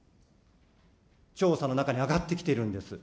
調査の中にあがってきてるんです。